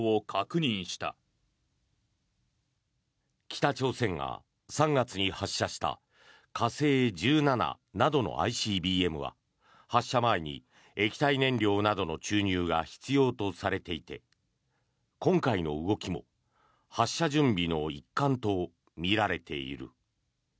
北朝鮮が３月に発射した火星１７などのＩＣＢＭは発射前に液体燃料などの注入が必要とされていて今回の動きも発射準備の一環とみられている。